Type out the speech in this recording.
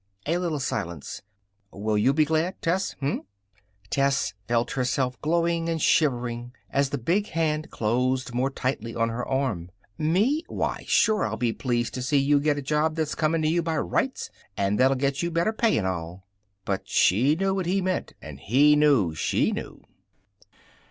A little silence. "Will you be glad, Tess? Hm?" Tess felt herself glowing and shivering as the big hand closed more tightly on her arm. "Me? Why, sure I'll be pleased to see you get a job that's coming to you by rights, and that'll get you better pay, and all." But she knew what he meant, and he knew she knew.